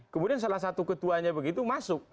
kemudian salah satu ketuanya begitu masuk